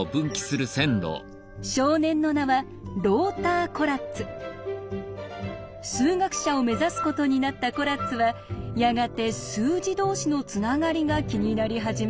少年の名は数学者を目指すことになったコラッツはやがて数字同士のつながりが気になり始めます。